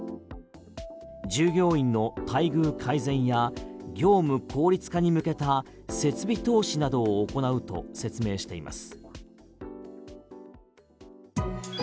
従業員の待遇改善や業務効率化に向けた設備投資などを行うと説明しています。